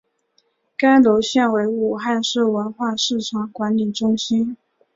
该楼现为武汉市文化市场管理中心。